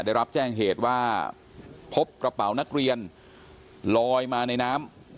ได้รับแจ้งเหตุว่าพบกระเป๋านักเรียนลอยมาในน้ำ